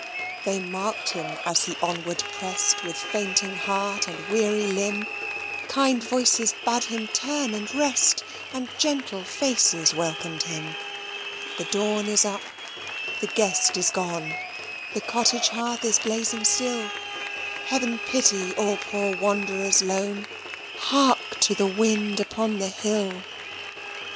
They mark'd him as he onward prest, With fainting heart and weary limb; Kind voices bade him turn and rest, And gentle faces welcomed him. The dawn is up the guest is gone, The cottage hearth is blazing still; Heaven pity all poor wanderers lone! Hark to the wind upon the hill!